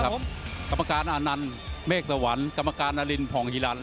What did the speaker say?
ครับครับกรรมการอานันทร์เมฆสวรรค์กรรมการอลินทร์ผ่องหิลันทร์